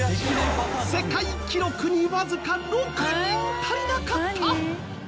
世界記録にわずか６人足りなかった！